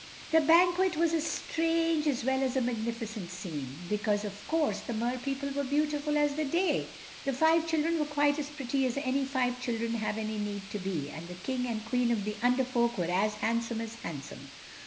The banquet was a strange as well as a magnificent scene—because, of course, the Mer people were beautiful as the day, the five children were quite as pretty as any five children have any need to be, and the King and Queen of the Under Folk were as handsome as handsome.